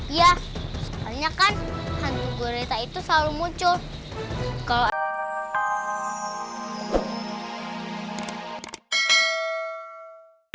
iya padahal kan hantu gurita itu selalu muncul